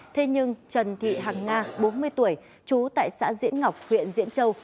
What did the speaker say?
thế nhưng trần thị hằng nga bốn mươi tuổi trú tại xã diễn ngọc huyện diễn châu